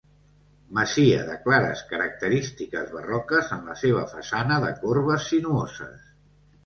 Masia de clares característiques barroques en la seva façana de corbes sinuoses.